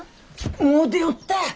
もう出よった。